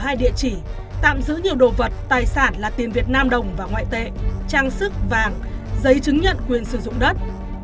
hai địa chỉ tạm giữ nhiều đồ vật tài sản là tiền việt nam đồng và ngoại tệ trang sức vàng giấy chứng nhận quyền sử dụng đất